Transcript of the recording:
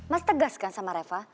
mas tegas kan sama reva